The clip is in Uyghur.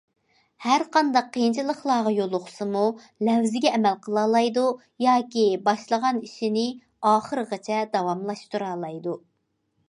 ھەرقانداق قىيىنچىلىقلارغا يولۇقسىمۇ، لەۋزىگە ئەمەل قىلالايدۇ ياكى باشلىغان ئىشىنى ئاخىرغىچە داۋاملاشتۇرالايدۇ.